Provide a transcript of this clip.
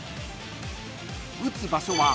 ［打つ場所は］